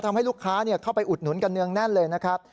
ทำให้ลูกค้าเข้าไปอุดหนุนกันเนืองแน่นเลยนะครับ